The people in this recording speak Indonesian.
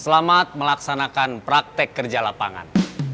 selamat melaksanakan praktek kerja lapangan